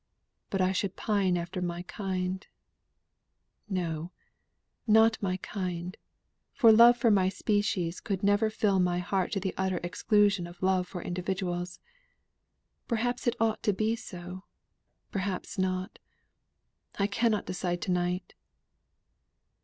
But I should pine after my kind; no, not my kind, for love for my species could never fill my heart to the utter exclusion of love for individuals. Perhaps it ought to be so, perhaps not; I cannot decide to night."